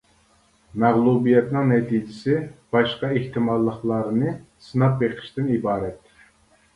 مەغلۇبىيەتنىڭ نەتىجىسى باشقا ئېھتىماللىقلارنى سىناپ بېقىشتىن ئىبارەت.